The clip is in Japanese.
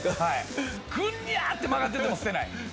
ぐにゃって曲がってても捨てない。